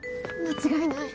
間違いない。